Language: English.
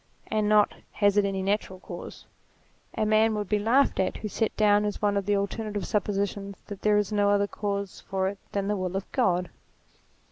and not, has it any natural cause? A man would be laughed at who set down as one of the alternative suppositions that there is no other cause for it than the will of God.